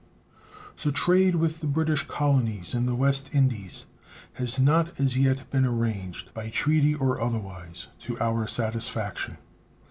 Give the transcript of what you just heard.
The trade with the British colonies in the West Indies has not as yet been arranged, by treaty or otherwise, to our satisfaction.